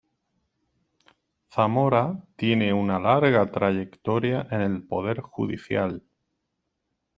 Zamora tiene una larga trayectoria en el Poder Judicial.